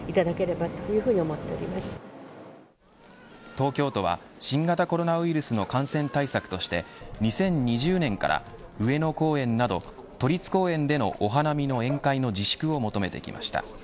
東京都は新型コロナウイルスの感染対策として２０２０年から上野公園など、都立公園でのお花見の宴会の自粛を求めてきました。